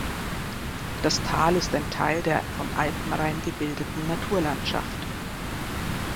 Das Tal ist ein Teil der vom Alpenrhein gebildeten Naturlandschaft.